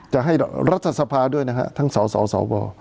จะให้รัฐธรรษภาด้วยนะทั้งศาลสาวเบา